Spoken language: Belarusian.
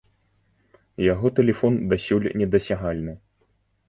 Яго тэлефон дасюль недасягальны.